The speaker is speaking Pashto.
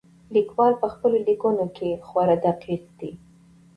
لیکوال په خپلو لیکنو کې خورا دقیق دی.